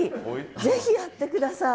ぜひやって下さい。